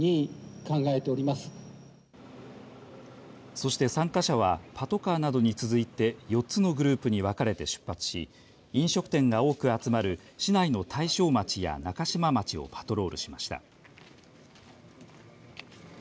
そして参加者はパトカーなどに続いて４つのグループに分かれて出発し飲食店が多く集まる市内の大正町や中島町をパトロールしました。